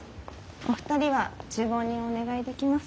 お二人は厨房にお願いできますか。